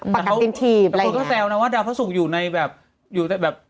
ใช่ประกับจินเทียบแล้วก็เฒียวนะว่าดาวพระสุกอยู่ในแบบอยู่แต่แบบ